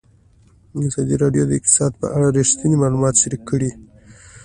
ازادي راډیو د اقتصاد په اړه رښتیني معلومات شریک کړي.